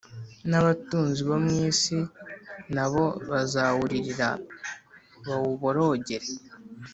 N’abatunzi bo mu isi na bo bazawuririra bawuborogere,